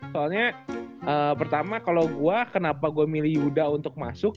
soalnya pertama kalau gue kenapa gue milih yuda untuk masuk